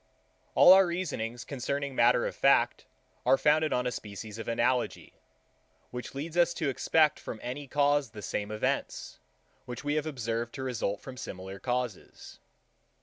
82. All our reasonings concerning matter of fact are founded on a species of Analogy, which leads us to expect from any cause the same events, which we have observed to result from similar causes.